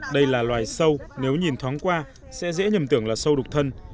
đây là loài sâu nếu nhìn thoáng qua sẽ dễ nhầm tưởng là sâu đục thân